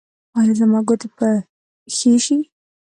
ایا زما ګوتې به ښې شي؟